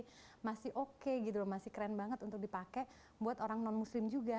menurut mereka itu masih oke gitu lho masih keren banget untuk dipakai buat orang non muslim juga